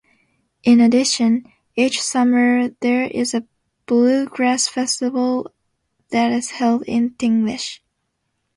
In addition, each summer there is a bluegrass festival that is held in Tignish.